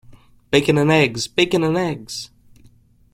Bacon and eggs, bacon and eggs!